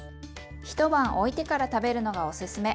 一晩おいてから食べるのがおすすめ。